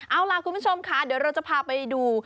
เอาล่ะคุณผู้ชมค่ะเดี๋ยวเราจะพาไปดู